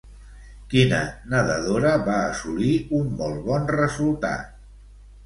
Quina nadadora va assolir un molt bon resultat?